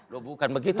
loh bukan begitu